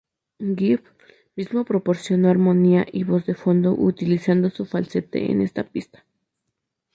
Gibb mismo proporcionó armonía y voz de fondo, utilizando su falsete en esta pista.